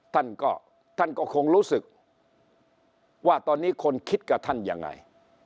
ท่านก็ท่านก็คงรู้สึกว่าตอนนี้คนคิดกับท่านยังไง